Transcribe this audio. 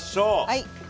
はい。